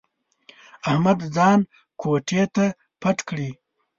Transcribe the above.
احمد ځان کوټې ته پټ کړي.